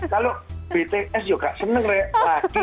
kalau bts juga nggak senang lagi